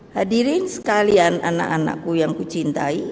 hadirin sekalian anak anakku yang ku cintai